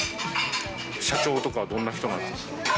社長とかはどんな人ですか？